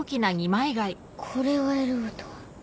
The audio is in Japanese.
これを選ぶとは。